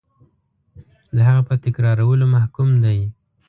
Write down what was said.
د هغه په تکرارولو محکوم دی.